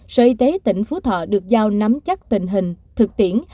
sở y tế tỉnh phú thọ được giao nắm chắc tình hình thực tiễn